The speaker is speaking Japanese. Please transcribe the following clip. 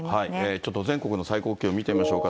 ちょっと全国の最高気温、見てみましょうか。